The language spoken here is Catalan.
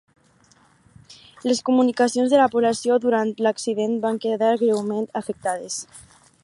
Les comunicacions de la població durant l'accident van quedar greument afectades.